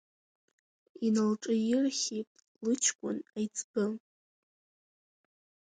Иналҿаирхьит лыҷкәын аиҵбы.